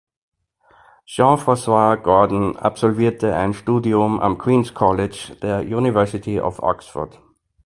Jean Francois Gordon absolvierte ein Studium am Queen’s College der University of Oxford.